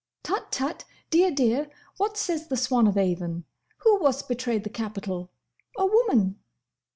"Tut, tut!—Dear, dear!—What says the Swan of Avon? 'Who was't betrayed the Capitol?—A woman!